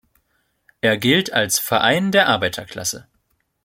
Er gilt als Verein der Arbeiterklasse.